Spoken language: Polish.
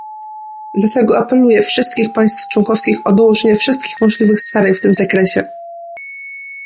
Dlatego apeluję wszystkich państw członkowskich o dołożenie wszystkich możliwych starań w tym zakresie